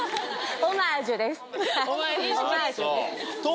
オマージュです。